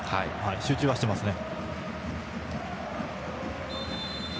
集中はしていますね。